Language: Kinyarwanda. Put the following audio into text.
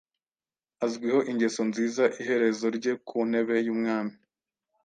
Azwiho ingeso nziza iherezo rye ku ntebe yumwami